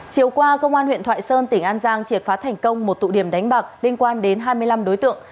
chiều qua công an huyện thoại sơn tỉnh an giang triệt phá thành công một tụ điểm đánh bạc liên quan đến hai mươi năm đối tượng